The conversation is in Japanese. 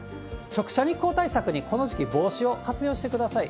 直射日光対策にこの時期、帽子を活用してください。